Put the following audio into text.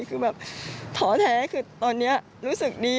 คือแบบท้อแท้คือตอนนี้รู้สึกดี